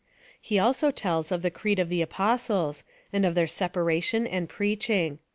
He also tells of the creed of the Apostles, and of their separation and preaching.